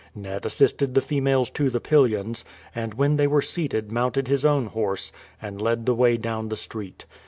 Ned assisted the females to the pillions, and when they were seated mounted his own horse and led the way down the street.